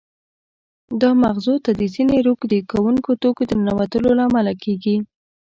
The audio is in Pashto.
دا مغزو ته د ځینې روږدې کوونکو توکو د ننوتلو له امله کېږي.